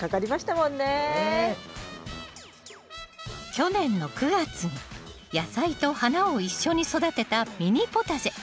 去年の９月に野菜と花を一緒に育てたミニポタジェ。